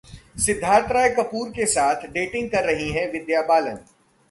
सिद्धार्थ राय कपूर के साथ डेटिंग कर रही हैं विद्या बालन